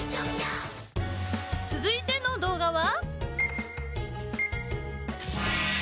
続いての動画は。